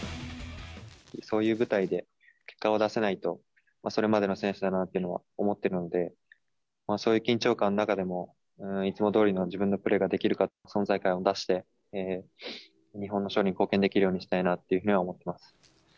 そういう舞台で結果を出せないと、それまでの選手だなというのは思っているので、そういう緊張感の中でもいつもどおりの自分のプレーができるか、存在感を出して、日本の勝利に貢献できるようにしたいと思ってます。